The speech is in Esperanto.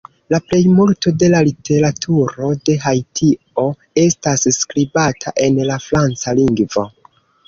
La plejmulto de la literaturo de Haitio estas skribata en la franca lingvo.